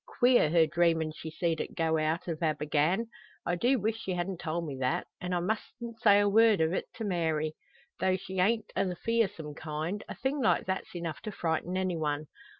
Queer, her dreamin' she seed it go out o' Abergann! I do weesh she hadn't told me that; an' I mustn't say word o't to Mary. Tho' she ain't o' the fearsome kind, a thing like that's enough to frighten anyone.